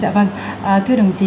dạ vâng thưa đồng chí